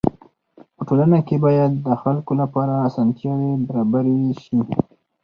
په ټولنه کي باید د خلکو لپاره اسانتياوي برابري سي.